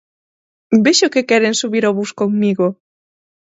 Vexo que queren subir ao bus comigo.